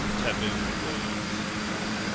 Tabooed Words 1.